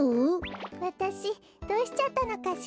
わたしどうしちゃったのかしら？